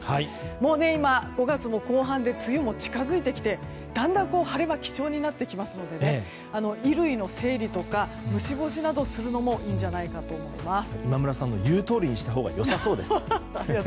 もう、５月も後半で梅雨も近づいてきてだんだん晴れが貴重になってきますので衣類の整理とか虫干しなどするのも今村さんのいうとおりにしたほうが良さそうです。